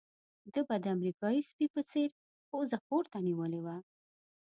ده به د امریکایي سپي په څېر پوزه پورته نيولې وه.